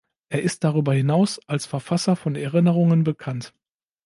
Er ist darüber hinaus als Verfasser von Erinnerungen bekannt.